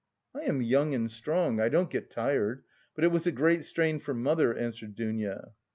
"I am young and strong, I don't get tired, but it was a great strain for mother," answered Dounia.